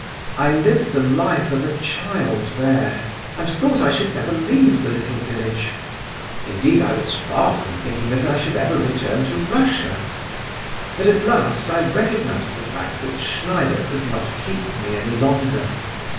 I lived the life of a child there, and thought I should never leave the little village; indeed, I was far from thinking that I should ever return to Russia. But at last I recognized the fact that Schneider could not keep me any longer.